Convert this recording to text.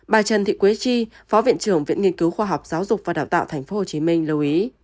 bà trần thị quế chi phó viện trưởng viện nghiên cứu khoa học giáo dục và đào tạo tp hcm lưu ý